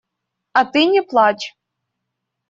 А ты не плачь.